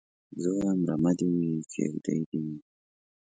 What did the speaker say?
زه وايم رمه دي وي کيږدۍ دي وي